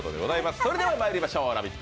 それではまいりましょう、「ラヴィット！」